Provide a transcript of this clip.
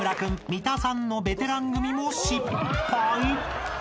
三田さんのベテラン組も失敗］